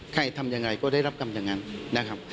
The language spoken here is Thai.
ทำยังไงก็ได้รับกรรมอย่างนั้นนะครับ